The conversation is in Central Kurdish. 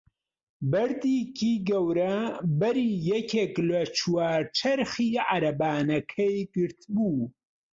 بەردێکی گەورە بەری یەکێک لە چوار چەرخی عەرەبانەکەی گرتبوو.